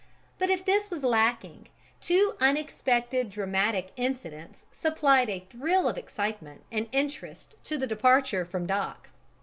But if this was lacking, two unexpected dramatic incidents supplied a thrill of excitement and interest to the departure from dock.